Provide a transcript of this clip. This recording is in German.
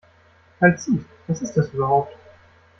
Kalzit, was ist das überhaupt?